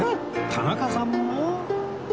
田中さんも？